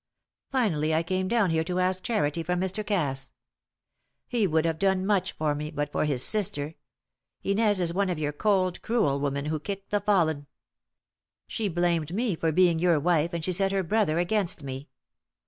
Finally I came down here to ask charity from Mr. Cass. He would have done much for me, but for his sister. Inez is one of your cold, cruel women who kick the fallen. She blamed me for being your wife, and she set her brother against me.